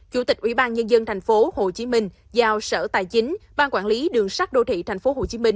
chủ tịch ủy ban nhân dân tp hcm giao sở tài chính ban quản lý đường sắt đô thị tp hcm